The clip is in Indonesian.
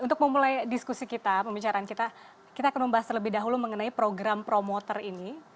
untuk memulai diskusi kita pembicaraan kita kita akan membahas terlebih dahulu mengenai program promoter ini